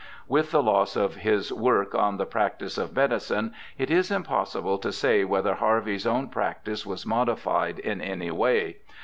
With the loss of his work on the Practice of Medicine it is impossible to say whether Harvey's own practice was modified in any way.